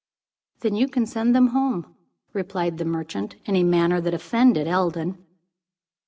"Then you can send them home," replied the merchant, in a manner that offended Eldon.